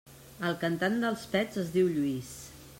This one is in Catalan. El cantant dels Pets es diu Lluís.